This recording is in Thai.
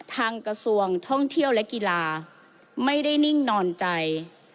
กระทรวงท่องเที่ยวและกีฬาไม่ได้นิ่งนอนใจ